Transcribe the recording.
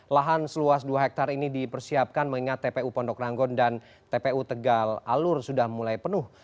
lahan seluas dua hektare ini dipersiapkan mengingat tpu pondok ranggon dan tpu tegal alur sudah mulai penuh